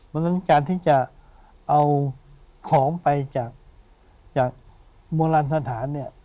ดังนั้นการที่จะเอาของไปจากจากบวรรณฐฐานเนี่ย